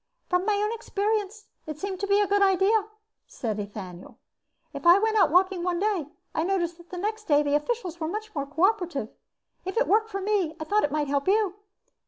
"From my own experience it seemed to be a good idea," said Ethaniel. "If I went out walking one day I noticed that the next day the officials were much more cooperative. If it worked for me I thought it might help you."